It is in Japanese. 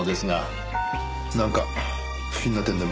なんか不審な点でも？